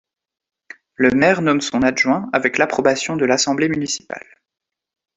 Le maire nomme son adjoint, avec l'approbation de l'Assemblée municipale.